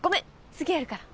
次あるから。